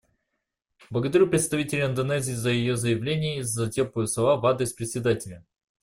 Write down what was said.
Благодарю представителя Индонезии за ее заявление и за теплые слова в адрес Председателя.